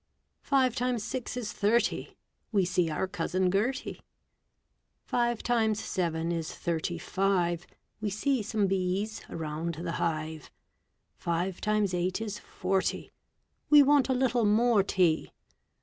Five times six is thirty. We see our Cousin Gerty. Five times seven is thirty five. We see some bees around the hive. Five times eight is forty. We want a little more tea.